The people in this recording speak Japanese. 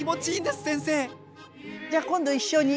じゃあ今度一緒に。